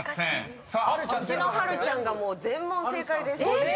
うちの波瑠ちゃんがもう全問正解です。